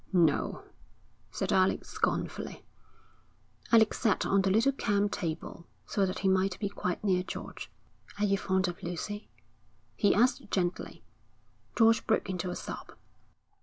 'No,' said Alec scornfully. Alec sat on the little camp table so that he might be quite near George. 'Are you fond of Lucy?' he asked gently. George broke into a sob.